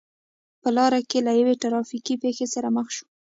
په لار کې له یوې ترا فیکې پېښې سره مخ شوم.